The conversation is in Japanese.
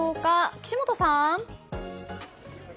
岸本さん。